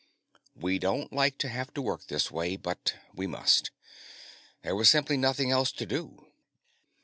We don't like to have to work this way, but we must. There was simply nothing else to do."